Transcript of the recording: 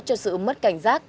cho sự mất cảnh giác